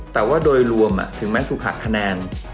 แต่ว่าโดยรวมถึงแม้ถูกหักคะแนน